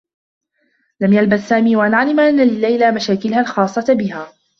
لم يلبث سامي و أن علم أنّ لليلى مشاكلها الخاصّة بها.